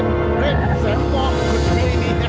rep saya mau keju ini